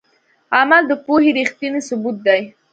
عمل د پوهې ریښتینی ثبوت دی.